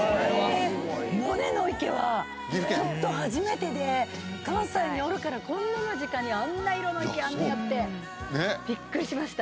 モネの池は初めてで関西におるからこんな間近にあんな色の池あんねやってびっくりしました。